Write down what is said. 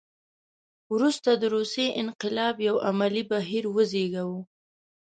وروسته د روسیې انقلاب یو عملي بهیر وزېږاوه.